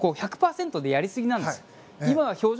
１００％ではやりすぎなんです。